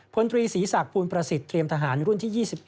พลตรีศรีศักดิ์ภูมิประสิทธิ์เตรียมทหารรุ่นที่๒๑